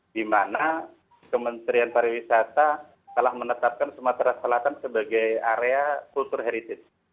di mana kementerian pariwisata telah menetapkan sumatera selatan sebagai area kultur heritage